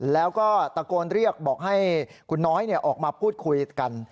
แล้วก็ตะโกนเรียกบอกให้คุณน้อยออกมาพูดคุยกัน